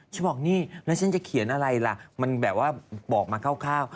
ฉันบอกนี่แล้วฉันจะเขียนอะไรล่ะมันแบบว่าบอกมาคร่าว